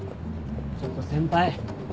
ちょっと先輩。